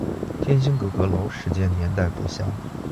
天心阁阁楼始建年代不详。